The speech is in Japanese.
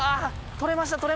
取れました！